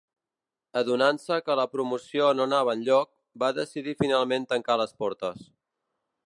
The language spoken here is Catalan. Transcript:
Adonant-se que la promoció no anava enlloc, va decidir finalment tancar les portes.